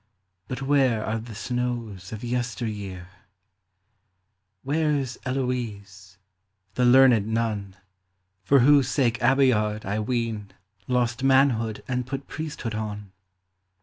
But where are the snows of yester year ? Where 's Heloise, the learned nun, For whose sake Abeillard, I ween, Lost manhood and put priesthood on